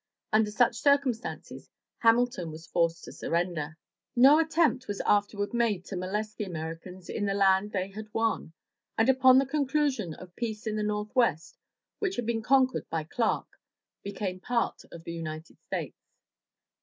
Under such circumstances Hamilton was forced to surrender. No attempt was afterward made to molest the Americans in the land they had won, and upon the conclusion of peace the Northwest, which had been conquered by Clark, became part of the United States.